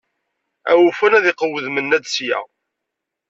Awufan ad iqewwed Mennad ssya.